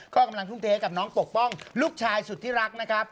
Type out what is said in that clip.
กำลังทุ่มเทมาที่ไปให้น้องปกป้องลูกชายสุดที่รัก